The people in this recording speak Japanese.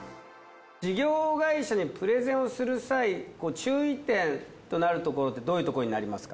事業会社にプレゼンをする際注意点となるところってどういうところになりますか？